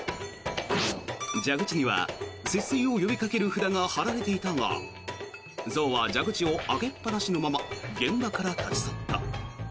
蛇口には節水を呼びかける札が貼られていたが象は蛇口を開けっぱなしのまま現場から立ち去った。